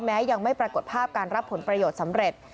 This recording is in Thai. ยังไม่ปรากฏภาพการรับผลประโยชน์สำเร็จ